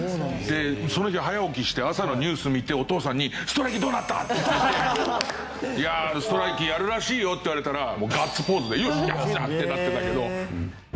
その日早起きして朝のニュース見てお父さんに「ストライキどうなった？」って聞いて「ストライキやるらしいよ」って言われたらガッツポーズで「よし休みだ！」ってなってたけど。